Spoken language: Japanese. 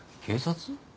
警察？